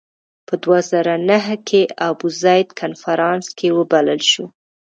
په دوه زره نهه کې ابوزید کنفرانس کې وبلل شو.